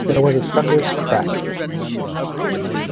There was a thunderous crack.